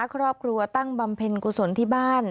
ครอบครัวตั้งบำเพ็ญกุศลที่บ้าน